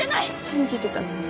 信じてたのに。